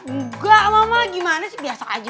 nggak mama gimana sih biasa aja